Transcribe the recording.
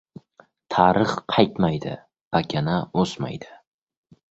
• Tarix qaytmaydi, pakana o‘smaydi.